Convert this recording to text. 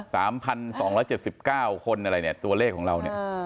สามพันสองร้อยเจ็ดสิบเก้าคนอะไรเนี่ยตัวเลขของเราเนี่ย